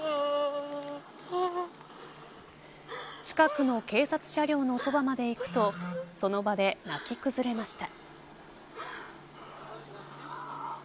近くの警察車両のそばまで行くとその場で泣き崩れました。